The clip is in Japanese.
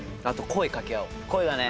声だね